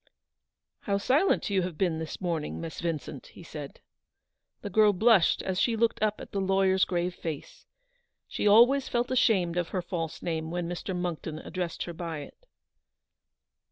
" How silent you have been this morning, Miss Vincent," he said. The girl blushed as she looked up at the lawyer's grave face. She always felt ashamed of her false name when Mr. Monckton addressed her by it.